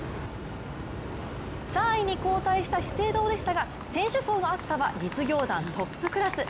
３位に後退した資生堂でしたが、選手層の厚さは実業団トップクラス。